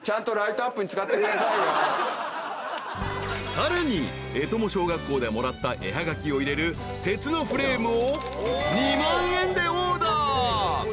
［さらに絵鞆小学校でもらった絵はがきを入れる鉄のフレームを２万円でオーダー］